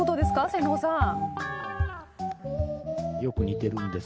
瀬能さん。